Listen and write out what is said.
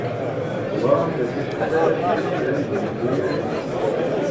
Teẓramt ɣef wacḥal ara d-yas Farid n At Yiraten?